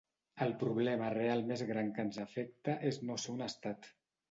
El problema real més gran que ens afecta és no ser un estat.